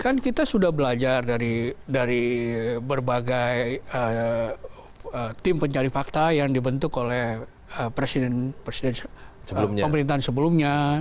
kan kita sudah belajar dari berbagai tim pencari fakta yang dibentuk oleh presiden presiden pemerintahan sebelumnya